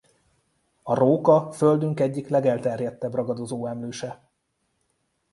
A róka földünk egyik legelterjedtebb ragadozó emlőse.